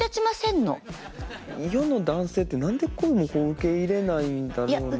世の男性って何でこうも受け入れないんだろうな。